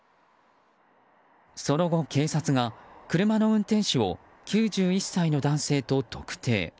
その後、警察が車の運転手を９１歳の男性と特定。